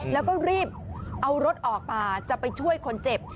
แล้วก็รีบเอารถออกมาจะไปช่วยคนเจ็บ